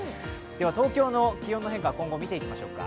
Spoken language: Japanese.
東京の気温の変化、見ていきましょうか。